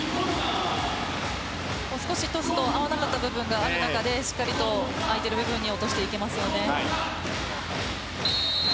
少しトスと合わなかった部分がある中でしっかりと相手の部分に落としていけますよね。